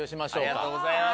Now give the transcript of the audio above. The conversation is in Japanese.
ありがとうございます。